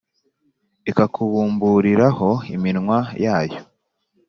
ikakubumburiraho iminwa yayo,